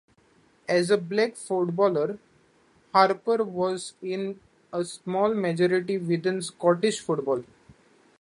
As a black footballer, Harper was in a small minority within Scottish football.